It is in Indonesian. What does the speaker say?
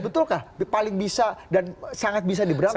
betulkah paling bisa dan sangat bisa diberangkatkan